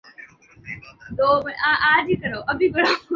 Abu Dhabi میں Misbah eleven کیخلاف Moin Ali English team کے مددگار